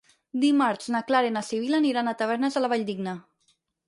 Dimarts na Clara i na Sibil·la aniran a Tavernes de la Valldigna.